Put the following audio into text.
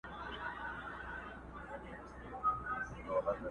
سړي وویل نه غواوي نه اوښان سته.!